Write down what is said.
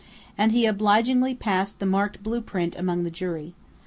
And he obligingly passed the marked blueprint among the jury.